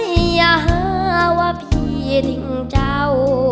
เจ้าเอ้ยอย่าหาว่าพี่ทิ้งเจ้า